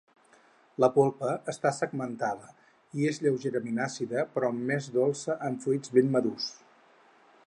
La polpa està segmentada i és lleugerament àcida però més dolça en fruits ben madurs.